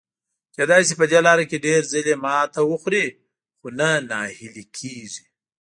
کېدای شي په دې لاره کې ډېر ځلي ماتې وخوري، خو نه ناهیلي کیږي.